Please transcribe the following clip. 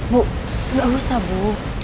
bu gak usah bu